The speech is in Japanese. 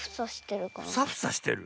フサフサしてる？